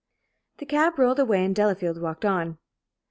The cab rolled away, and Delafield walked on.